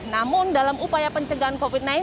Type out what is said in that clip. namun dalam upaya pencegahan covid sembilan belas